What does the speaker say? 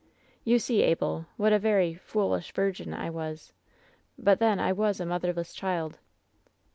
"You see, Abel, what a very ^foolish virgin' I was. But then, I was a motherless child.